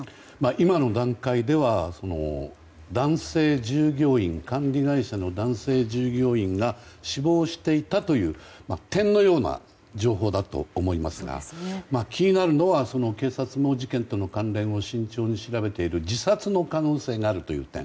今の段階では管理会社の男性従業員が死亡していたという点のような情報だと思いますが気になるのは、警察も事件との関連を慎重に調べている自殺の可能性があるという点。